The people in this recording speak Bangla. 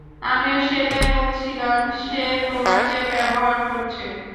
আমিও সেটাই বলছিলাম, সে তোমাকে ব্যবহার করছে।